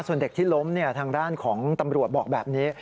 ส่วนเด็กที่ล้มทางด้านของตำรวจบอกแบบนี้